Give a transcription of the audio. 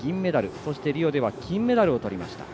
そしてリオでは金メダルとなりました。